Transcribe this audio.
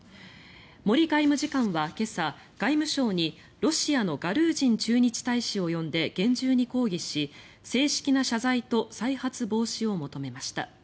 森外務次官は今朝、外務省にロシアのガルージン駐日大使を呼んで厳重に抗議し正式な謝罪と再発防止を求めました。